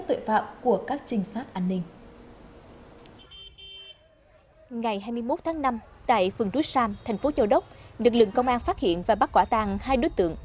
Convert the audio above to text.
tại phường đuối sam thành phố châu đốc lực lượng công an phát hiện và bắt quả tàn hai đối tượng